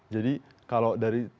jadi kalau dari tim